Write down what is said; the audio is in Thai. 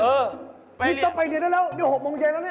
อเจมส์นี่ต้องไปเย็นแล้ว๖มงเย็นแล้วนี่